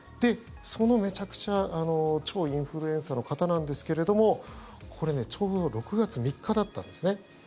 その、めちゃくちゃ超インフルエンサーの方なんですけれどもこれ、ちょうど６月３日だったんですね。